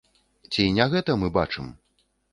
Ці не гэта мы бачым?